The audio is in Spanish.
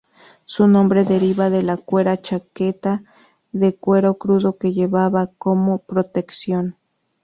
Su nombre derivaba de la cuera, chaqueta de cuero crudo que llevaban como protección.